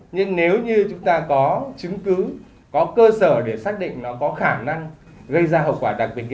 nhưng nếu như chúng ta có chứng cứ có cơ sở để xác định nó có khả năng gây ra hậu quả đặc biệt